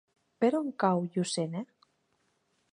Per on cau Llucena?